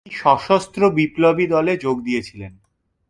তিনি সশস্ত্র বিপ্লবী দলে যোগ দিয়েছিলেন।